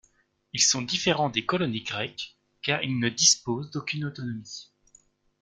Ils sont différents des colonies grecques, car ils ne disposent d'aucune autonomie.